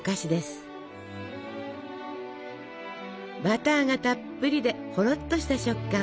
バターがたっぷりでほろっとした食感。